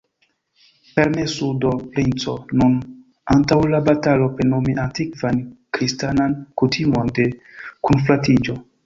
Permesu do, princo, nun, antaŭ la batalo, plenumi antikvan kristanan kutimon de kunfratiĝo!